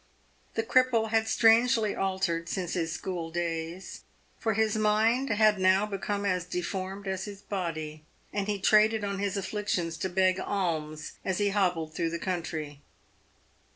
The cripple had strangely altered since his school days, for his mind had now become as de formed as his body, and he traded on his afflictions to beg alms as he hobbled through the country.